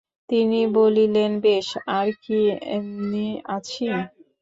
তিনি বলিলেন, বেশ আর কী এমনি আছি!